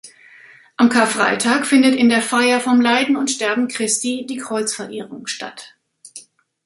Am Karfreitag findet in der Feier vom Leiden und Sterben Christi die Kreuzverehrung statt.